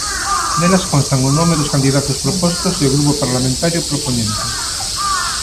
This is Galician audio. Nelas constan o nome dos candidatos propostos e o grupo parlamentario propoñente.